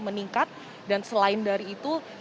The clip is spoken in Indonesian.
meningkat dan selain dari itu